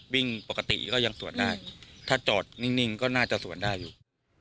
วิ่งปกติก็ยังสวดได้ถ้าจอดนิ่งก็น่าจะสวนได้อยู่